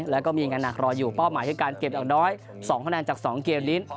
แล้วก็มีงานหนักรออยู่เป้าหมายคือการเก็บอย่างน้อย๒คะแนนจาก๒เกมนี้